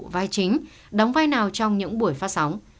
vai chính đóng vai nào trong những buổi phát sóng